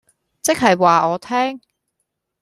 即刻話我聽